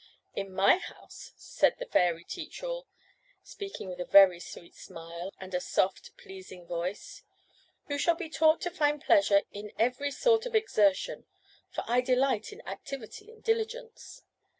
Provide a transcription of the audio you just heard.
"In my house," said the fairy Teach all, speaking with a very sweet smile and a soft, pleasing voice, "you shall be taught to find pleasure in every sort of exertion, for I delight in activity and diligence.